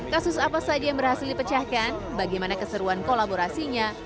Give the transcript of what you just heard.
kasus apa saja yang berhasil dipecahkan bagaimana keseruan kolaborasinya